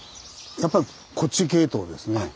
やっぱこっち系統ですね。